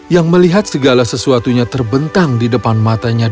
yang melihat segala sesuatunya terbentang di depan matanya